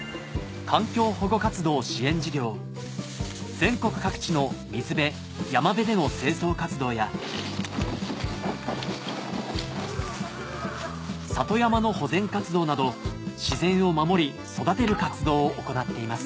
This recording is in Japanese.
全国各地の水辺山辺での清掃活動や里山の保全活動など自然を守り育てる活動を行っています